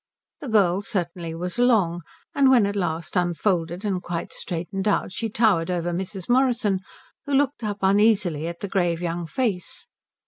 The girl certainly was long, and when at last unfolded and quite straightened out she towered over Mrs. Morrison, who looked up uneasily at the grave young face.